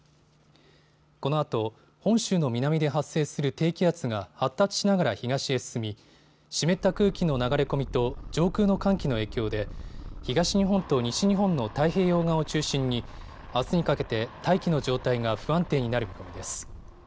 このあと本州の南で発生する低気圧が発達しながら東へ進み湿った空気の流れ込みと上空の寒気の影響で東日本と西日本の太平洋側を中心にあすにかけて大気の状態が不安定になる見込みです。